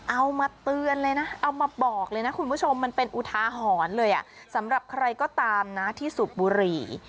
เอามาเตือนเลยนะเอามาบอกเลยนะคุณผู้ชมมันเป็นอุทาหรณ์เลยสำหรับใครก็ตามนะที่สูบบุหรี่